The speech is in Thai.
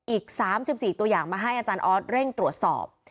อีก๓๔ตัวอย่างมาให้อาจารย์ออสเร่งตรวจสอบ